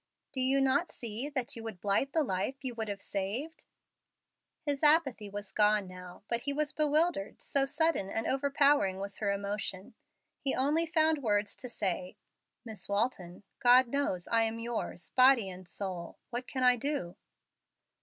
Do you not see that you would blight the life you have saved?" His apathy was gone now. But he was bewildered, so sudden and overpowering was her emotion. He only found words to say, "Miss Walton, God knows I am yours, body and soul. What can I do?"